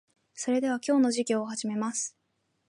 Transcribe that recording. それでは、今日の授業を始めます。